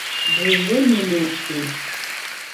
Буйлы нәмә, ти.